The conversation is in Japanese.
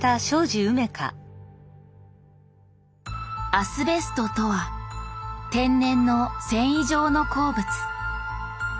アスベストとは天然の繊維状の鉱物。